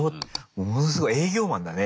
ものすごい営業マンだね